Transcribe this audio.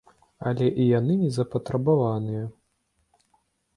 Але і яны не запатрабаваныя.